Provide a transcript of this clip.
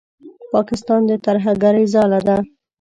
پاکستان د ترهګرۍ ځاله ده.